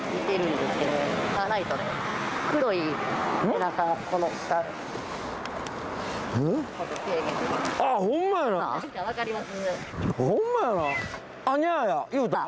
・何か分かります？